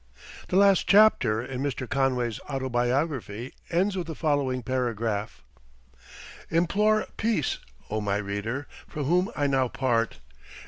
The last chapter in Mr. Conway's Autobiography ends with the following paragraph: Implore Peace, O my reader, from whom I now part.